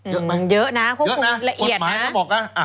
เยอะไหมเยอะนะควบคุมละเอียดนะ